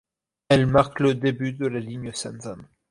Elle marque le début de la ligne Senzan.